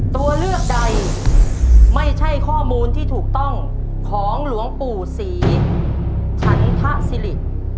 ตัวเลือกใดไม่ใช่ข้อมูลที่ถูกต้องของหลวงปู่ศรีฉันทะสิริ